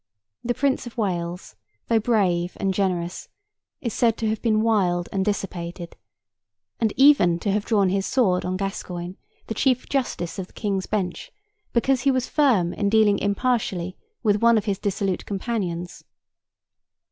The Prince of Wales, though brave and generous, is said to have been wild and dissipated, and even to have drawn his sword on Gascoigne, the Chief Justice of the King's Bench, because he was firm in dealing impartially with one of his dissolute companions.